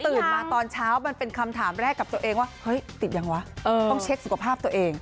มาตอนเช้ามันเป็นคำถามแรกกับตัวเองว่าเฮ้ยติดยังวะต้องเช็คสุขภาพตัวเอง